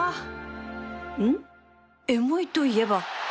エモいといえば